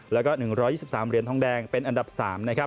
แล้วก็๑๒๓เหรียญทองแดงเป็นอันดับ๓นะครับ